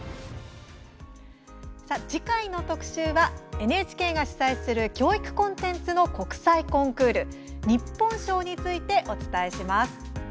次回の特集はＮＨＫが主催する教育コンテンツの国際コンクール日本賞についてお伝えします。